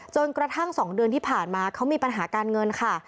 จนกระทั่ง๒เดือนที่ผ่านมาเขามีปัญหาการเงินค่ะ